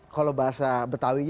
kalau bahasa betawi